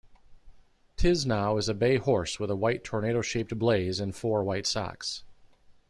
Tiznow is a bay horse with a white tornado-shaped blaze and four white socks.